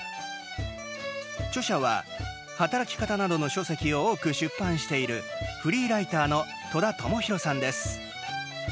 著者は働き方などの書籍を多く出版しているフリーライターの戸田智弘さんです。